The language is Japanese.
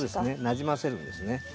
なじませるんですね。